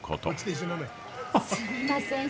すみません